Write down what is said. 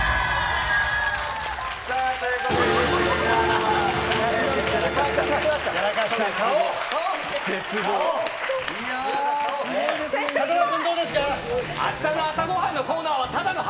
さあ、ということで。